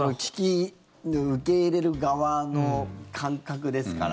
受け入れる側の感覚ですから。